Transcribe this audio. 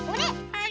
はい。